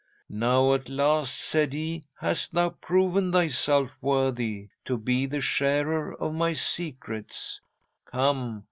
"Now at last," said he, "hast thou proven thyself worthy to be the sharer of my secrets. Come!